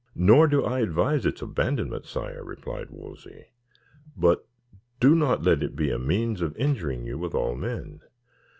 "Nor do I advise its abandonment, sire," replied Wolsey; "but do not let it be a means of injuring you with all men.